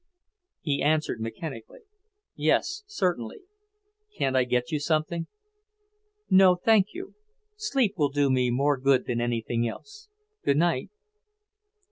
He answered mechanically. "Yes, certainly. Can't I get you something?" "No, thank you. Sleep will do me more good than anything else. Good night."